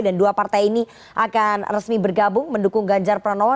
dan dua partai ini akan resmi bergabung mendukung ganjar pranowo